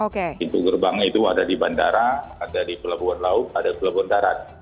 pintu gerbang itu ada di bandara ada di pelabuhan laut ada di pelabuhan darat